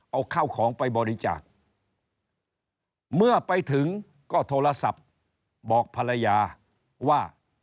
เอาข้าวของไปบริจาคเมื่อไปถึงก็โทรศัพท์บอกภรรยาว่า